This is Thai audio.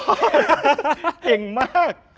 เก่งมาก